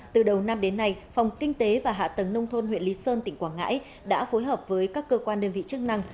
từ đầu năm đến nay phòng kinh tế và hạ tầng nông thôn huyện lý sơn tỉnh quảng ngãi đã phối hợp với các cơ quan đơn vị chức năng